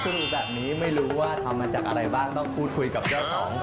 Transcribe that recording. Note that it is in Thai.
ซึ่งแบบนี้ไม่รู้ว่าทำมาจากอะไรบ้างต้องพูดคุยกับเจ้าของ